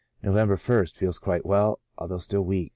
November ist. — Feels quite well, although still weak.